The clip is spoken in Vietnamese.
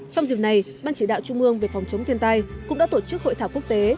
trong dịp này ban chỉ đạo trung ương về phòng chống thiên tai cũng đã tổ chức hội thảo quốc tế